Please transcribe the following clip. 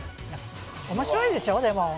面白いでしょ、でも。